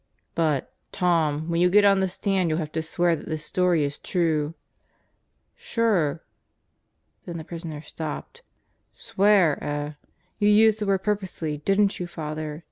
"But, Tom, when you get on the stand you'll have to swear that this story is true." "Sure ..." Then the prisoner stopped. "Swear, eh? You used that word purposely, didn't you, Father.